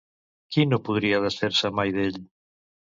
Qui no podria desfer-se mai d'ell?